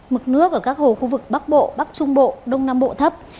mực nước ở các hồ khu vực bắc bộ bắc trung bộ đông nam bộ thấp